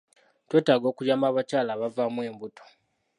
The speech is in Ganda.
Twetaaga okuyamba abakyala abavaamu embuto.